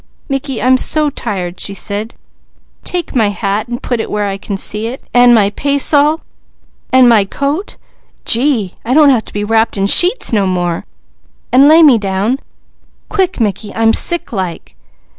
_" "Mickey, I'm so tired," she said. "Take my hat an' put it where I can see it, an' my passol, an' my coat; gee, I don't have to be wrapped in sheets no more, an' lay me down. Quick Mickey, I'm sick like."